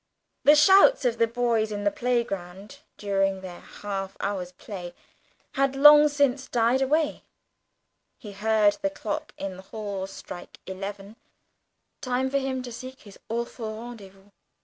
The shouts of the boys in the playground during their half hour's play had long since died away; he heard the clock in the hall strike eleven time for him to seek his awful rendezvous.